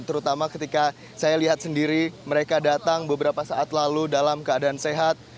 terutama ketika saya lihat sendiri mereka datang beberapa saat lalu dalam keadaan sehat